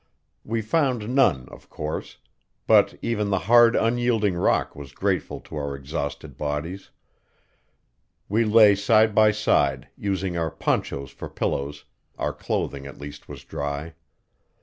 We found none, of course; but even the hard, unyielding rock was grateful to our exhausted bodies. We lay side by side, using our ponchos for pillows; our clothing at least was dry.